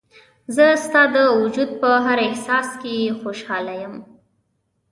زه ستا د وجود په هر احساس کې خوشحاله یم.